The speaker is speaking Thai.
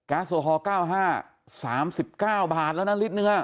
แก๊สโซฮอร์๙๕บาท๓๙บาทแล้วนะลิตรเนื้อ